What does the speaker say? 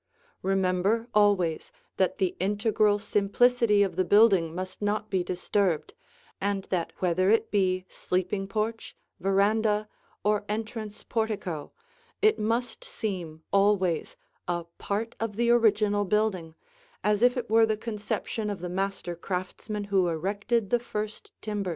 Remember always that the integral simplicity of the building must not be disturbed, and that whether it be sleeping porch, veranda, or entrance portico, it must seem always a part of the original building, as if it were the conception of the master craftsman who erected the first timbers.